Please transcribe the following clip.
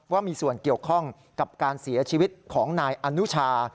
ว่ามีส่วนเกี่ยวข้องกับการเสียชีวิตของนายอนุชา